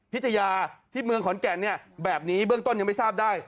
พิทยาที่เมืองขอนแก่นเนี่ยแบบนี้เบื้องต้นยังไม่ทราบได้